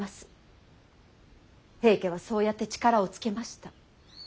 平家はそうやって力をつけました。